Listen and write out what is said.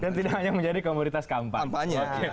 dan tidak hanya menjadi komoditas kampanye